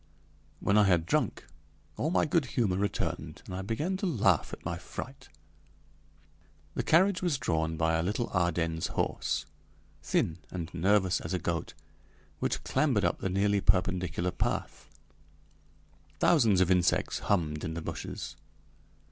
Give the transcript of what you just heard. When I had drunk all my good humor returned and I began to laugh at my fright. The carriage was drawn by a little Ardennes horse, thin and nervous as a goat, which clambered up the nearly perpendicular path. Thousands of insects hummed in the bushes.